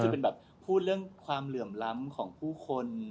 คือเป็นแบบพูดเรื่องความเหลื่อมล้ำของผู้คน